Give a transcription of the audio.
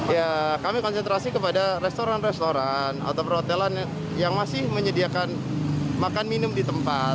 ya kami konsentrasi kepada restoran restoran atau perhotelan yang masih menyediakan makan minum di tempat